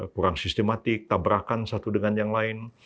kurang sistematik tabrakan satu dengan yang lain